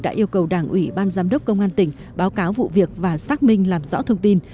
đã yêu cầu đảng ủy ban giám đốc công an tỉnh báo cáo vụ việc và xác minh làm rõ thông tin